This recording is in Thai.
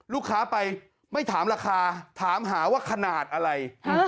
ลูกค้าไปไม่ถามราคาถามหาว่าขนาดอะไร